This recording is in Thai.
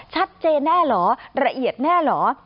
ชัดเจนแน่เหรอละเอียดแน่เหรอ